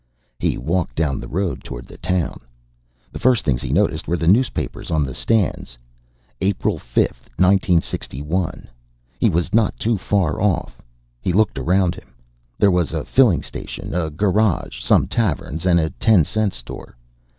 He walked down the road toward the town. The first things he noticed were the newspapers on the stands. April 5, 1961. He was not too far off. He looked around him. There was a filling station, a garage, some taverns, and a ten cent store.